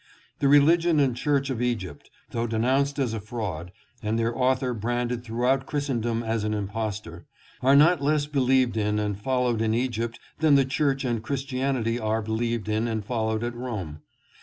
The religion and church of Egypt, though denounced as a fraud and their author branded throughout Christendom as an impostor, are not less believed in and followed in Egypt than the church and Christianity are believed in and followed at Rome.